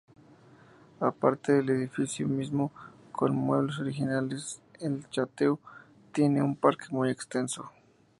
Aparte del edificio mismo, con muebles originales, el château tiene un parque muy extenso.